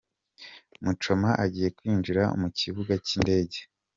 Muchoma agiye kwinjra mu kibuga cy'indege.